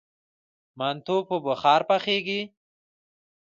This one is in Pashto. منتو په بخار پخیږي؟